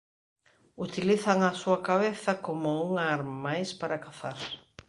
Utilizan a súa cabeza como unha arma máis para cazar.